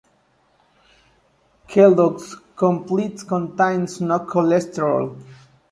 Kellogg's Complete contains no cholesterol.